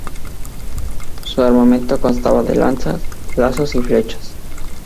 Su armamento constaba de lanzas, lazos y flechas.